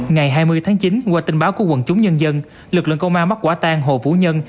ngày hai mươi tháng chín qua tin báo của quần chúng nhân dân lực lượng công an bắt quả tan hồ vũ nhân